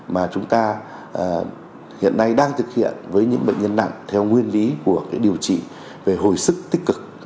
mà chúng ta hiện nay đang thực hiện với những bệnh nhân nặng theo nguyên lý của điều trị về hồi sức tích cực